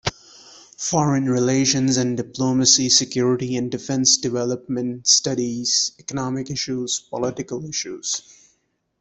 Foreign relations and diplomacy, security and defense, development studies, economic issues, political issues.